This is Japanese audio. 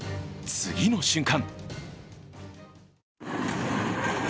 次の瞬間